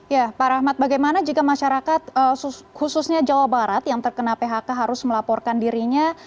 ya pak rahmat bagaimana jika masyarakat khususnya jawa barat yang terkena phk harus melaporkan dirinya